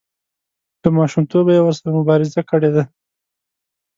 له ماشومتوبه یې ورسره مبارزه کړې ده.